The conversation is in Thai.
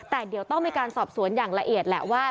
แต่เดี๋ยวต้องมีการสอบสวนอย่างละเอียดแหละว่า